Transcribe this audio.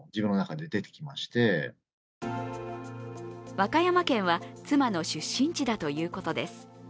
和歌山県は、妻の出身地だということです。